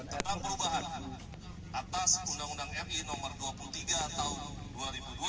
tentang perubahan atas undang undang ri nomor dua puluh tiga tahun dua ribu dua